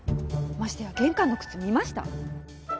ましてや玄関の靴見ました？